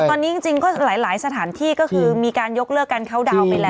ตอนนี้จริงก็หลายสถานที่ก็คือมีการยกเลิกการเข้าดาวน์ไปแล้ว